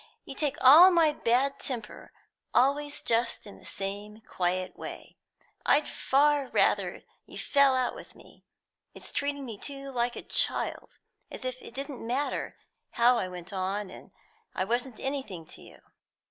"You take all my bad temper always just in the same quiet way. I'd far rather you fell out with me. It's treating me too like a child, as if it didn't matter how I went on, and I wasn't anything to you."